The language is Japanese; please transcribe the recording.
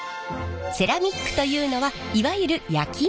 セラミックというのはいわゆる焼き物。